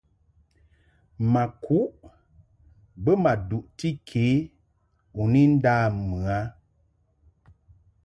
Ma kuʼ bə ma duʼti ke u ni nda mɨ a.